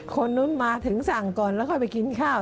คนนู้นมาถึงสั่งก่อนแล้วค่อยไปกินข้าว